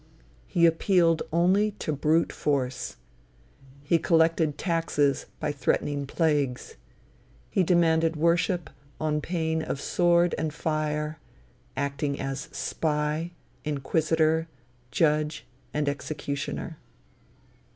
He appealed only to brute force; he collected taxes by threatening plagues; he demanded worship on pain of sword and fire; acting as spy, inquisitor, judge and executioner.